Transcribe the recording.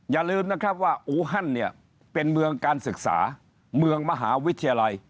อย่าลืมนะครับว่าอูฮันเนี่ยเป็นเมืองการศึกษาเมืองมหาวิทยาลัย